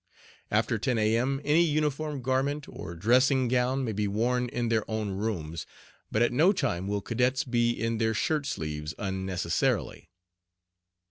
After 10 A.M. any uniform garment or dressing gown may be worn in their own rooms, but at no time will Cadets be in their shirt sleeves unnecessarily.